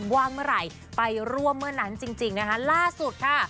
ว่างเมื่อไหร่ไปร่วมเมื่อนั้นจริงนะคะล่าสุดค่ะ